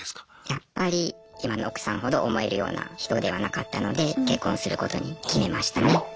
やっぱり今の奥さんほど思えるような人ではなかったので結婚することに決めましたね。